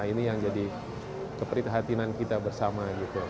ini yang jadi keprihatinan kita bersama gitu